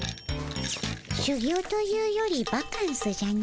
しゅ業というよりバカンスじゃの。